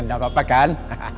nih gak apa apa kan